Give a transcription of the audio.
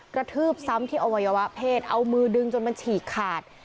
กระทืบซ้ำที่อวัยวะเพศเอามือดึงจนมันฉีกขาด